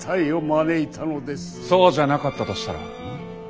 そうじゃなかったとしたら？